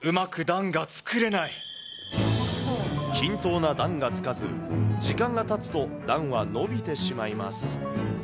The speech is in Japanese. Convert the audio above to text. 均等な段がつかず、時間がたつと段は伸びてしまいます。